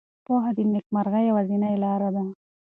پوهه د نېکمرغۍ یوازینۍ لاره ده.